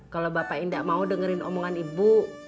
kalo bapak indah mau dengerin omongan ibu